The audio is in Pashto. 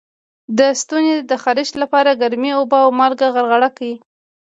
د ستوني د خارش لپاره ګرمې اوبه او مالګه غرغره کړئ